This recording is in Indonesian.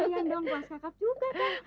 biarin dong mas kakak juga kan